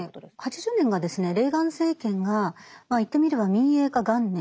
８０年がですねレーガン政権が言ってみれば民営化元年と呼ばれてるんですね。